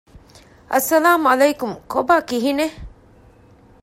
އައްސަލާމު ޢަލައިކުމް ކޮބާ ކިހިނެތް؟